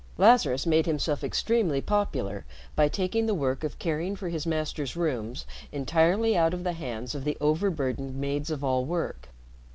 Lazarus made himself extremely popular by taking the work of caring for his master's rooms entirely out of the hands of the overburdened maids of all work.